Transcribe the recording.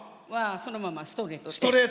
そのままストレートで。